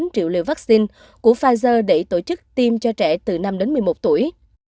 hai mươi một chín triệu liều vaccine của pfizer để tổ chức tiêm cho trẻ từ năm đến một mươi một tuổi